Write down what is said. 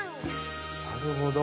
なるほど。